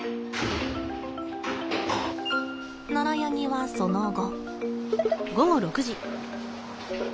ナラヤニはその後。